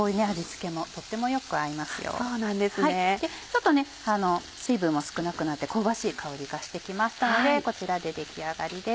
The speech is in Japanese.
ちょっと水分も少なくなって香ばしい香りがして来ましたのでこちらで出来上がりです。